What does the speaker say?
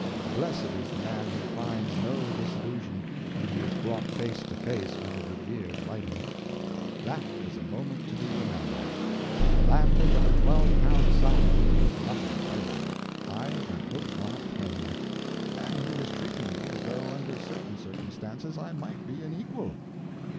Blessed is the man who finds no disillusion when he is brought face to face with a revered writer. That was a moment to be remembered; the landing of a twelve pound salmon was nothing to it. I had hooked Mark Twain, and he was treating me as though under certain circumstances I might be an equal.